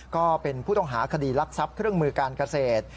ก็เป็นผู้ต้องหาคดีรักทรัพย์เครื่องมือการเกษตร